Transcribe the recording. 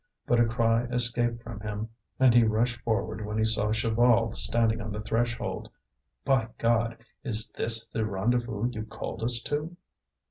But a cry escaped from him and he rushed forward when he saw Chaval standing on the threshold. "By God! is this the rendezvous you called us to?"